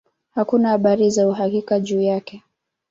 Hakuna habari za uhakika juu yake.